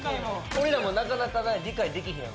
俺らもなかなか理解できひんやんか。